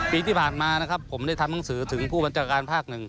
ปีที่ผ่านมานะครับผมได้ทำหนังสือถึงผู้บัญชาการภาคหนึ่ง